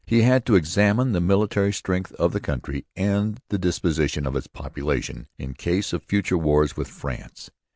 He had to examine the military strength of the country and the disposition of its population in case of future wars with France.